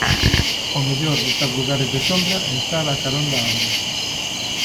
O mellor buscar lugares de sombra e estar a carón da auga.